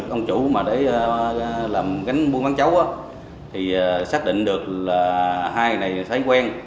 con chủ mà để làm gánh mua bán chấu thì xác định được là hai người này thái quen